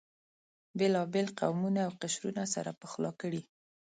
بېلابېل قومونه او قشرونه سره پخلا کړي.